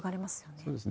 そうですね。